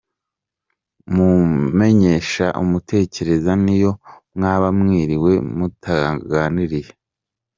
Mumenyeshe umutekereza n’iyo mwaba mwiriwe mutaganiriye.